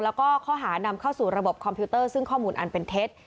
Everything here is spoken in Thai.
แล้วก็ข้อหานำเข้าสู่ระบบคอมพิวเตอร์ซึ่งข้อมูลอันเป็นเท็จ